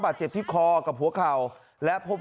อำเภอโพธาราม